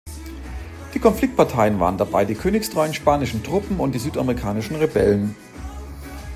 Die Konfliktparteien waren dabei die königstreuen spanischen Truppen und die südamerikanischen Rebellen.